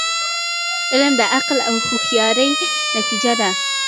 علم د عقل او هوښیاری نتیجه ده.